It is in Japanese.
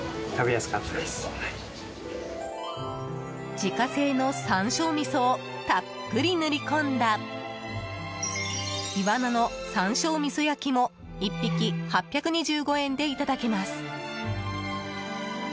自家製の山椒みそをたっぷり塗り込んだイワナの山椒味噌焼も１匹８２５円でいただけます。